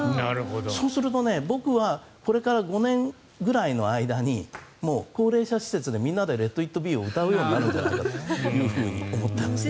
そうすると僕はこれから５年ぐらいの間に高齢者施設でみんなで「レットイットビー」を歌うようになるんじゃないかと思ってます。